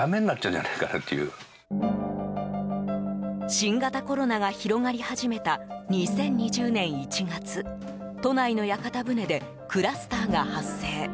新型コロナが広がり始めた２０２０年１月都内の屋形船でクラスターが発生。